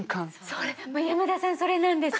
それ山田さんそれなんです！